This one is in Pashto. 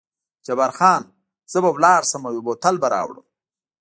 جبار خان: زه به ولاړ شم او یو بوتل به راوړم.